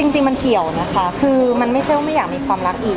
จริงมันเกี่ยวนะคะคือมันไม่ใช่ว่าไม่อยากมีความรักอีก